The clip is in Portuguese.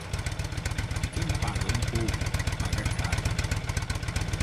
Quem paga um pouco, paga caro.